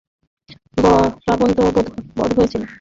রাবণ তো বধ হয়েছিল।